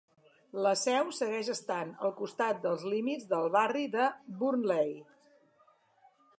La seu segueix estant al costat dels límits del barri de Burnley.